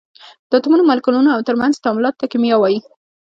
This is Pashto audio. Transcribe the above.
د اتومونو، مالیکولونو او تر منځ یې تعاملاتو ته کېمیا وایي.